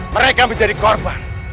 mereka menjadi korban